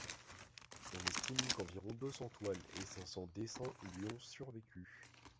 On estime qu'environ deux cents toiles et cinq cents dessins lui ont survécu.